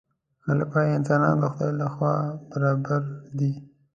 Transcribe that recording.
خلک وايي انسانان د خدای له خوا برابر دي.